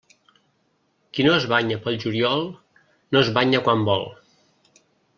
Qui no es banya pel juliol, no es banya quan vol.